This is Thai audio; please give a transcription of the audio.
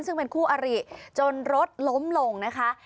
ซึ่งเป็นคู่อริจนรถล้มลงนะคะ